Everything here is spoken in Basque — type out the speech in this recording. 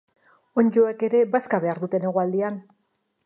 Onddoek ere bazka behar dute negualdian.